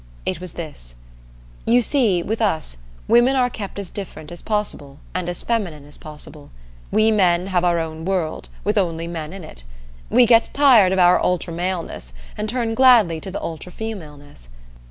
It was this: You see, with us, women are kept as different as possible and as feminine as possible. We men have our own world, with only men in it; we get tired of our ultra maleness and turn gladly to the ultra femaleness.